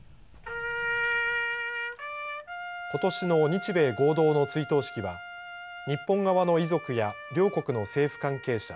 ことしの日米合同の追悼式は日本側の遺族や両国の政府関係者